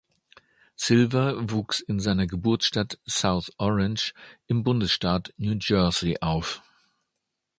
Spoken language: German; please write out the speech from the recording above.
Silver wuchs in seiner Geburtsstadt South Orange im Bundesstaat New Jersey auf.